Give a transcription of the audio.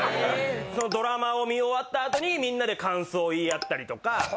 ドラマを見終わったあとにみんなで感想を言い合ったりとか。